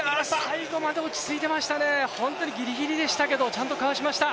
最後まで落ち着いてましたね、本当にギリギリでしたけどちゃんとかわしました。